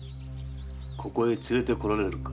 ここへ連れてこられぬか？